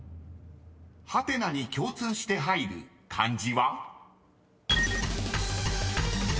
［ハテナに共通して入る漢字は？］